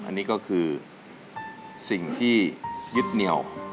อันนี้ก็คือสิ่งที่ยึดเหนียว